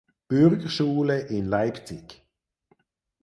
Bürgerschule in Leipzig.